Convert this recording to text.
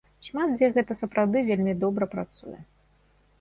Шмат дзе гэта сапраўды вельмі добра працуе.